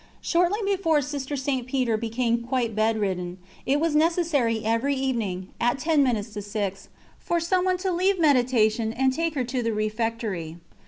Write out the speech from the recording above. Shortly before Sister St. Peter became quite bedridden, it was necessary every evening, at ten minutes to six, for someone to leave meditation and take her to the refectory.